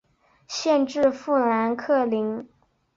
县治富兰克林。